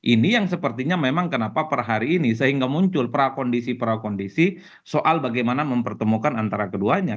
ini yang sepertinya memang kenapa per hari ini sehingga muncul prakondisi prakondisi soal bagaimana mempertemukan antara keduanya